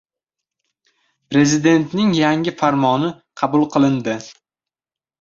Prezidentning yangi farmoni qabul qilindi